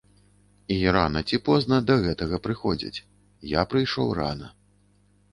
І рана ці позна да гэтага прыходзіць, я прыйшоў рана.